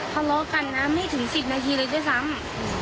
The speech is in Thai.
หลอกกันน้ำไม่ถึง๑๐นาทีเลยด้วยซ้ำ